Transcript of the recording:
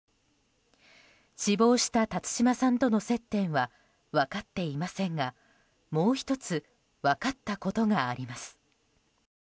死亡した辰島さんとの接点は分かっていませんがもう１つ分かったことがあります。